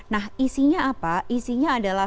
nah isinya apa isinya adalah